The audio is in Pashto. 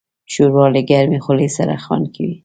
ښوروا له ګرمې خولې سره خوند کوي.